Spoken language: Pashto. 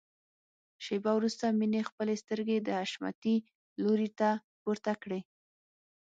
شېبه وروسته مينې خپلې سترګې د حشمتي لوري ته پورته کړې.